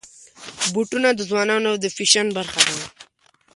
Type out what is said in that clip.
بوټونه د ځوانانو د فیشن برخه ده.